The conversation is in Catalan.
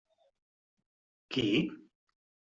Qui?